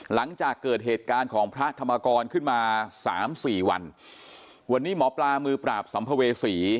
หลังจากเกิดเหตุการณ์ของพระธรรมกรขึ้นมาสามสี่วันวันนี้หมอปลามือปราบสัมภเวษี